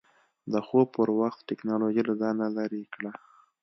د خوب پر وخت ټېکنالوژي له ځان لرې کړه.